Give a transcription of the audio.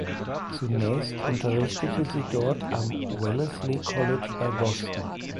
Zunächst unterrichtete sie dort am Wellesley College bei Boston.